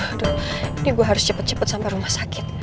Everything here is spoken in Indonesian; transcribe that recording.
aduh ini gue harus cepet cepet sampe rumah sakit